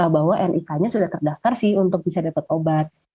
bahwa nik nya sudah terdaftar sih untuk bisa dapat obat